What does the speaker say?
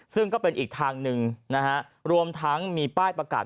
ซึ่งก็เป็นอีกทางหนึ่งนะฮะรวมทั้งมีป้ายประกาศ